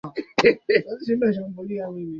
kisasa vya Uingereza Majengo makuu huko London